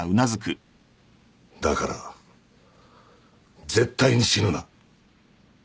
だから絶対に死ぬな。